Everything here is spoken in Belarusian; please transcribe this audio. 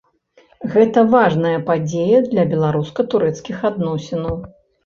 Гэта важная падзея для беларуска-турэцкіх адносінаў.